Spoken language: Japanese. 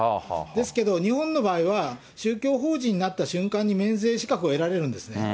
ですけど、日本の場合は宗教法人になった瞬間に免税資格を得られるんですね。